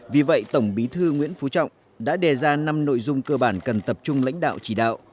vì vậy tổng bí thư nguyễn phú trọng đã đề ra năm nội dung cơ bản cần tập trung lãnh đạo chỉ đạo